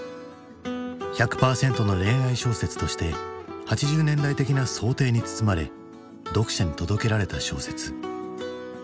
「１００パーセントの恋愛小説！」として８０年代的な装丁に包まれ読者に届けられた小説。